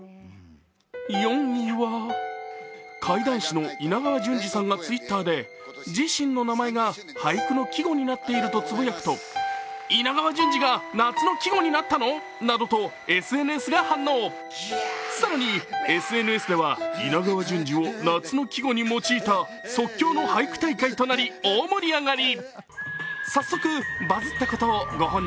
４位は会談師の稲川淳二さんがＳＮＳで自身の名前が俳句の季語になっているとつぶやくと、稲川淳二が夏の季語になったの？などとＳＮＳが反応、更に、ＳＮＳでは稲川淳二を夏の季語に用いた即興の俳句大会が大盛り上がり